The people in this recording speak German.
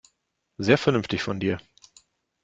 Sehr vernünftig von dir.